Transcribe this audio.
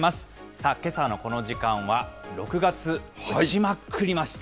さあ、けさのこの時間は、６月、打ちまくりました、